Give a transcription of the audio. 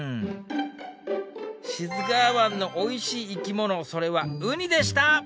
志津川湾のおいしい生き物それはウニでした！